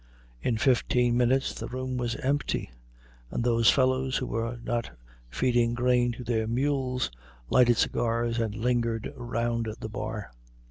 In fifteen minutes the room was empty, and those fellows who were not feeding grain to their mules lighted cigars and lingered round the bar.